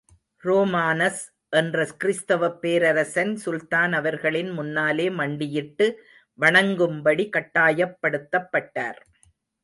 ரோமானஸ் என்ற கிறிஸ்தவப் பேரரசன், சுல்தான் அவர்களின் முன்னாலே மண்டியிட்டு வணங்கும்படி கட்டாயப்படுத்தப் பட்டார்.